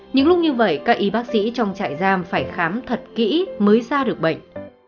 những lúc như vậy các y bác sĩ trong trại giam phải khám thật kỹ mới ra được bệnh